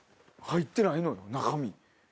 入ってないのよ中身。